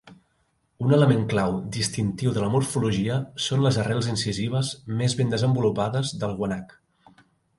Un element clau distintiu de la morfologia són les arrels incisives més ben desenvolupades del guanac.